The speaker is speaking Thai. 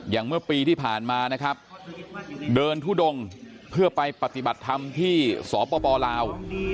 เมื่อปีที่ผ่านมานะครับเดินทุดงเพื่อไปปฏิบัติธรรมที่สปลาว